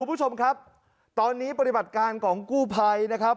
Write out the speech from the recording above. คุณผู้ชมครับตอนนี้ปฏิบัติการของกู้ภัยนะครับ